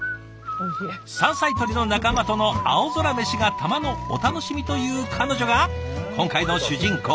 山菜採りの仲間との青空メシがたまのお楽しみという彼女が今回の主人公。